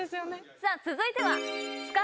さぁ続いては。